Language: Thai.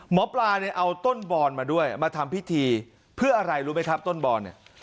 หมอปลาเอาต้นบอลมาด้วยมาทำพิธีเพื่ออะไรรู้ไหมครับต้นบอล